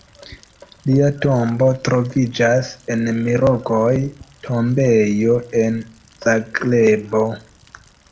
Lia tombo troviĝas en Mirogoj-tombejo en Zagrebo.